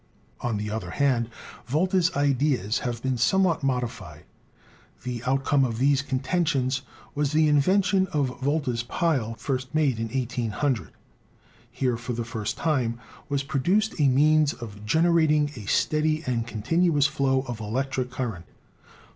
On the other hand, Volta's ideas have been somewhat modified. The outcome of these contentions was the invention of Volta's pile, first made in 1800. Here, for the first time, was produced a means of generating a steady and con tinuous flow of electric current.